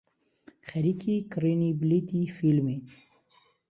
خەریکی کڕینی بلیتی فیلمین.